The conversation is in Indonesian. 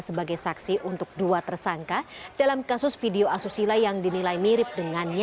sebagai saksi untuk dua tersangka dalam kasus video asusila yang dinilai mirip dengannya